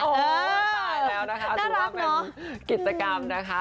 โอ้โหตายแล้วนะคะถือว่าเป็นกิจกรรมนะคะ